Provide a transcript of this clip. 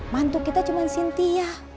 mantuk kita cuma cynthia